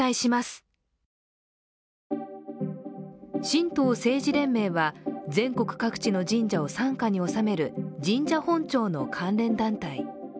神道政治連盟は、全国各地の神社を傘下に収める神社本庁の関連団体。